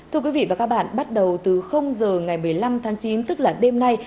thưa quý vị và các bạn bắt đầu từ giờ ngày một mươi năm tháng chín tức là đêm nay